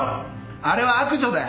あれは悪女だよ。